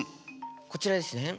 こちらですね。